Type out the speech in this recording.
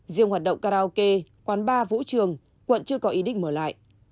riêng hoạt động karaoke quán bar vũ trường quận chưa có ý định mở lại